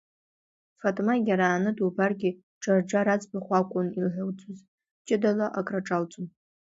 Фатма егьарааны дубаргьы, Џарџар аӡбахә акәын илҳәаӡоз, ҷыдала акраҿалҵон.